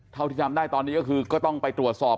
เท่าที่จำได้ตอนนี้ก็คือก็ต้องไปตรวจสอบ